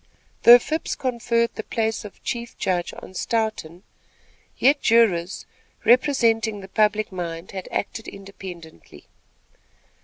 Though Phipps conferred the place of chief judge on Stoughton, yet jurors, representing the public mind, acted independently.